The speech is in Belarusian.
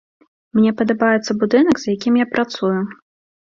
Мне падабаецца будынак, з якім я працую.